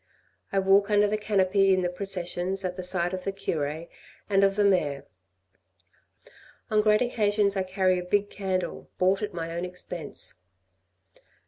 I walk under the canopy in the processions at the side of the cure and of the mayor. On great occasions I carry a big candle, bought at my own expense.